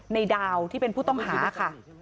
ในดาวที่เป็นผู้ต้องหาค่ะ